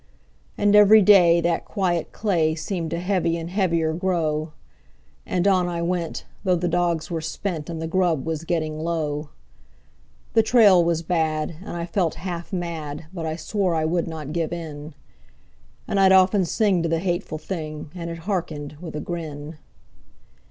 And every day that quiet clay seemed to heavy and heavier grow; And on I went, though the dogs were spent and the grub was getting low; The trail was bad, and I felt half mad, but I swore I would not give in; And I'd often sing to the hateful thing, and it hearkened with a grin.